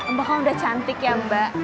mbak kamu udah cantik ya mbak